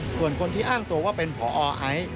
ส่วนคนที่อ้างตัวว่าเป็นพอไอซ์